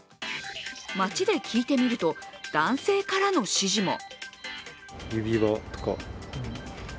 街で聞いてみると、男性からの支持も。